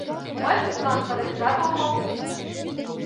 — Мый тудлан сыренжат омыл.